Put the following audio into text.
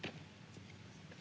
dan tank usu creditor